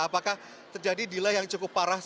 apakah terjadi delay yang cukup parah